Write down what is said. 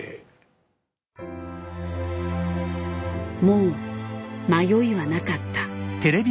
もう迷いはなかった。